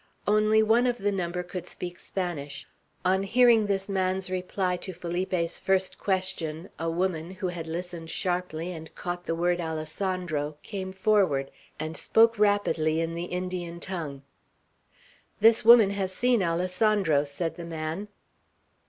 Only one of the number could speak Spanish. On hearing this man's reply to Felipe's first question, a woman, who had listened sharply and caught the word Alessandro, came forward, and spoke rapidly in the Indian tongue. "This woman has seen Alessandro," said the man.